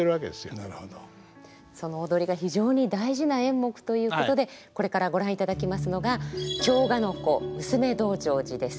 その踊りが非常に大事な演目ということでこれからご覧いただきますのが「京鹿子娘道成寺」です。